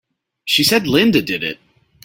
She said Linda did it!